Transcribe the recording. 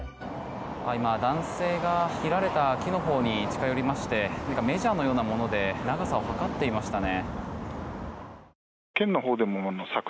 今、男性が切られた木のほうに近寄りましてメジャーのようなもので長さを測っていましたね。